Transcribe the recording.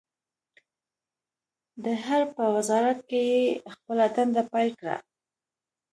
د حرب په وزارت کې يې خپله دنده پیل کړه.